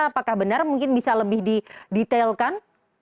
apakah benar mungkin bisa lebih didetailkan